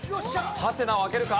ハテナを開けるか？